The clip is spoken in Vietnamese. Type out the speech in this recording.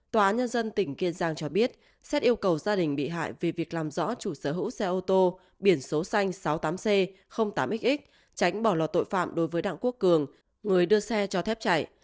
tòa nhân dân tỉnh kiên giang cho biết xét yêu cầu gia đình bị hại về việc làm rõ chủ sở hữu xe ô tô biển số xanh sáu mươi tám c tám x tránh bỏ lọt tội phạm đối với đặng quốc cường người đưa xe cho thép chạy